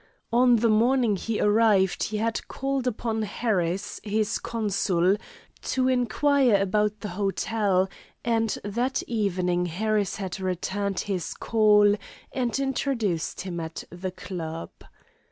On the morning he arrived he had called upon Harris, his consul, to inquire about the hotel; and that evening Harris had returned his call and introduced him at the club.